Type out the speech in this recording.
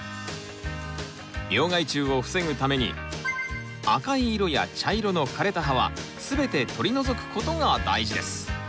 病害虫を防ぐために赤い色や茶色の枯れた葉は全て取り除く事が大事です。